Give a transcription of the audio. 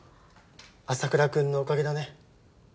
麻倉君のおかげだね。